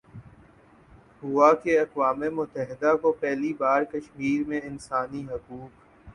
ہوا کہ اقوام متحدہ کو پہلی بار کشمیرمیں انسانی حقوق